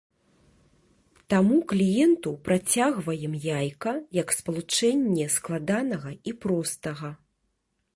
Таму кліенту працягваем яйка як спалучэнне складанага і простага.